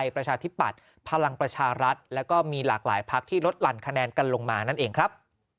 ประชาธิปัตย์พลังประชารัฐแล้วก็มีหลากหลายพักที่ลดหลั่นคะแนนกันลงมานั่นเองครับ